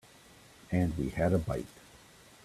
And we had a bite.